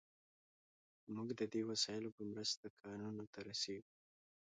موږ د دې وسایلو په مرسته کانونو ته رسیږو.